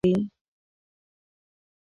ملک محمد قصه راته کوي.